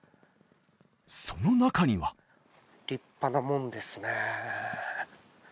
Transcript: その中には立派な門ですね